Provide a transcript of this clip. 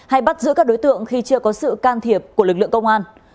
hay bắt giữ các đối tượng khi chưa có sự can thiệp của lực lượng công an